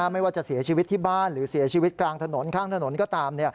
ไม่ว่าจะเสียชีวิตที่บ้านหรือเสียชีวิตกลางถนนข้างถนนก็ตาม